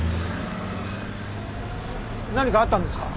何かあったんですか？